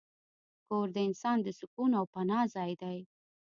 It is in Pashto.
کور د انسان د سکون او پناه ځای دی.